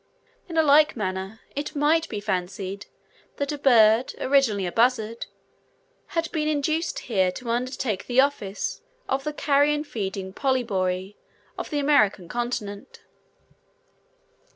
In a like manner it might be fancied that a bird originally a buzzard, had been induced here to undertake the office of the carrion feeding Polybori of the American continent.